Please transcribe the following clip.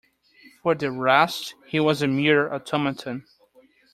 For the rest, he was a mere automaton.